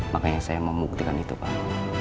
makanya saya membuktikan itu pak